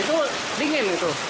itu dingin gitu